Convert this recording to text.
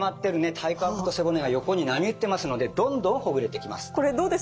体幹と背骨が横に波打ってますのでどんどんほぐれてきます。